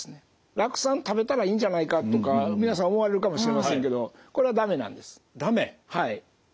酪酸食べたらいいんじゃないかとか皆さん思われるかもしれませんけどこれは駄目なんです。